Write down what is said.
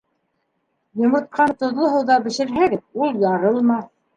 Йомортҡаны тоҙло һыуҙа бешерһәгеҙ, ул ярылмаҫ.